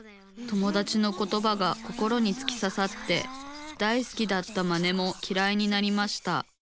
友だちのことばが心につきささって大好きだったマネもきらいになりました。